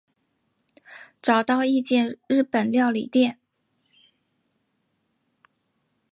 找到一间日本料理店